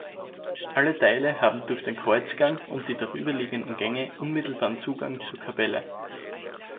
Alle Teile haben durch den Kreuzgang und die darüberliegenden Gänge unmittelbaren Zugang zur Kapelle.